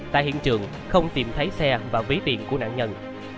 tại hiện trường không tìm thấy xe và ví tiền của nạn nhân